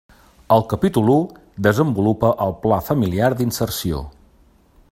El capítol u desenvolupa el pla familiar d'inserció.